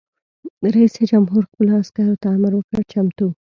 رئیس جمهور خپلو عسکرو ته امر وکړ؛ چمتو!